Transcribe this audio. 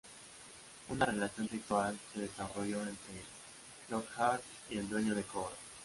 Una relación sexual se desarrolló entre Lockhart y el dueño de Cobra.